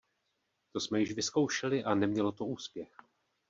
To jsme již vyzkoušeli a nemělo to úspěch.